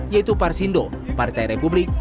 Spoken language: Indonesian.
yaitu parsindo partai republik